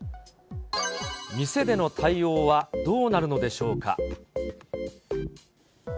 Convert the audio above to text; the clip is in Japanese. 店での対応はどうなるのでしょうか。